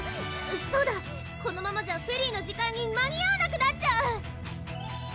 そうだこのままじゃフェリーの時間に間に合わなくなっちゃう！